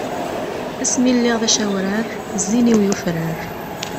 Asmi i lliɣ d acawrar, zzin-iw yufrar.